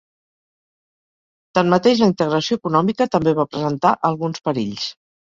Tanmateix, la integració econòmica també va presentar alguns perills.